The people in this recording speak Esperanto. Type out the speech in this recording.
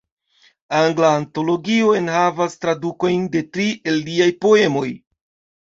Angla Antologio enhavas tradukojn de tri el liaj poemoj.